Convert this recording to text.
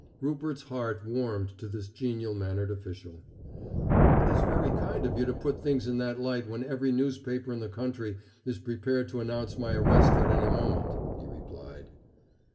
Rupert's heart warmed to this genial mannered official. "It is very kind of you to put things in that light when every newspaper in the country is prepared to announce my arrest at any moment," he replied.